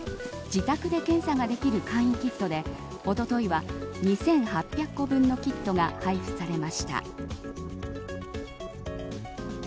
自宅で検査ができる簡易キットでおとといは２８００個分のキットが配布されました。